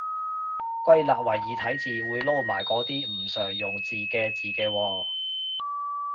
歸納為異體字，會撈埋嗰啲唔常用字嘅字嘅喎